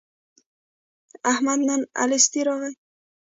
احمد نن الستی راغی.